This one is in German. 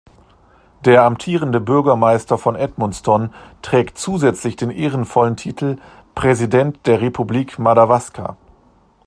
Der amtierende Bürgermeister von Edmundston trägt zusätzlich den ehrenvollen Titel "Präsident der Republik Madawaska".